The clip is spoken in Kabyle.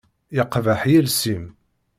Yeqbeḥ yiles-im.